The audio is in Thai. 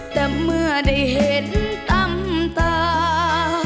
แต่เมื่อได้เห็นตั้งตา